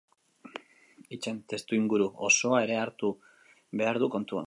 Hitzen testuinguru osoa ere hartu behar du kontuan.